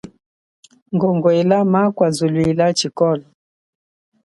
Ngongwela makwazuluila tshikolo.